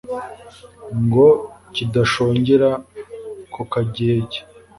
Ngo kidashongera ku kagege.